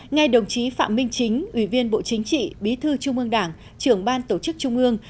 nghe đồng chí phạm minh chính ủy viên bộ chính trị bí thư trung ương đảng trưởng ban tổ chức trung ương